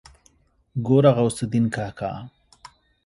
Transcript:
ګوره غوث الدين کاکا.